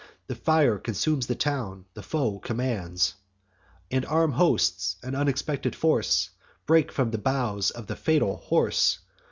The fire consumes the town, the foe commands; And armed hosts, an unexpected force, Break from the bowels of the fatal horse.